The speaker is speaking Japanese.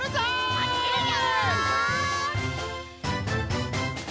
まってるよ！